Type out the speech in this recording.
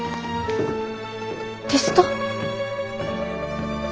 テスト。